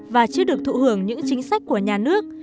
và chưa được thụ hưởng những chính sách của nhà nước